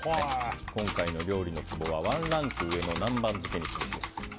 今回の料理のツボはワンランク上の南蛮漬けにすべしです。